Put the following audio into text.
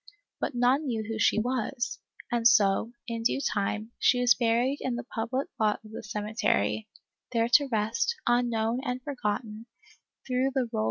But none knew who she was ; and so, in due time, she was buried in the public plot of the cemetery, there to rest, unknown and forgotten, through the roll 6 ALICE ; OR, THE WAGES OF SIN.